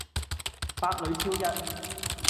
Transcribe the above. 百裏挑一